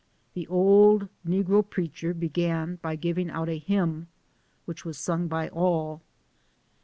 The old negro preacher began by giving out a hymn, which was sung by all.